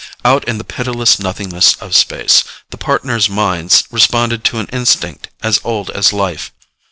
Out in the pitiless nothingness of space, the Partners' minds responded to an instinct as old as life.